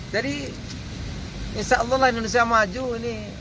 jadi insya allah indonesia maju ini